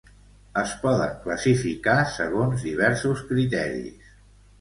Es poden classificar segons diversos criteris.